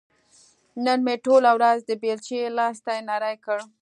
نن مې ټوله ورځ د بېلچې لاستي نري کړ.